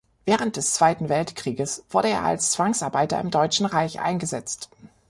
Während des Zweiten Weltkrieges wurde er als Zwangsarbeiter im Deutschen Reich eingesetzt.